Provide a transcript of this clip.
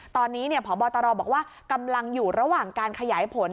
ตอนนี้พบตรบอกว่ากำลังอยู่ระหว่างการขยายผล